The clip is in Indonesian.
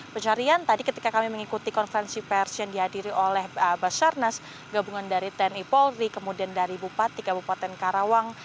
pencarian tadi ketika kami mengikuti konferensi pers yang dihadiri oleh basarnas gabungan dari tni polri kemudian dari bupati kabupaten karawang